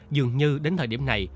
dường như đến thời điểm này